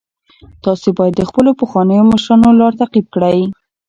تاسي باید د خپلو پخوانیو مشرانو لار تعقیب کړئ.